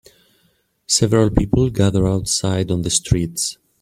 Several people gather outside on the streets.